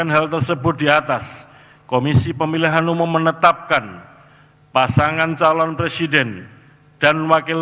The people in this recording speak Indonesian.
hal tersebut di atas komisi pemilihan umum menetapkan pasangan calon presiden dan wakil